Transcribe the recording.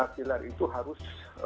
pilar itu harus